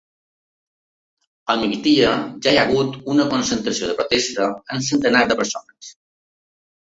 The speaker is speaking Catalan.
A migdia ja hi ha hagut una concentració de protesta amb centenars de persones.